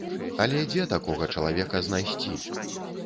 Але дзе такога чалавека знайсці?